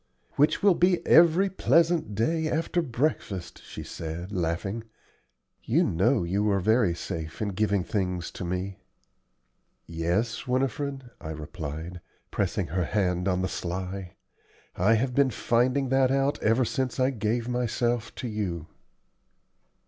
"Which will be every pleasant day after breakfast," she said, laughing. "You know you are very safe in giving things to me." "Yes, Winifred," I replied, pressing her hand on the sly; "I have been finding that out ever since I gave myself to you."